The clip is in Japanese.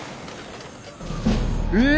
え！